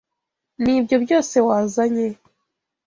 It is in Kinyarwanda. Nibyo byose wazanye?